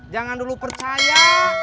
jangan dulu percaya